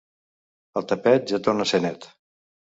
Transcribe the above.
El tapet ja torna a ser net.